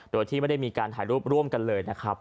โดยที่ไม่ได้มีการถ่ายรูปร่วมกันเลยนะครับ